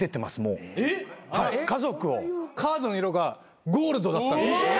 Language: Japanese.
カードの色がゴールドだったんです。え！？